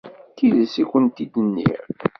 D tidet i kent-id-nniɣ.